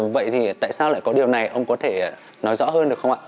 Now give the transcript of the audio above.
vậy thì tại sao lại có điều này ông có thể nói rõ hơn được không ạ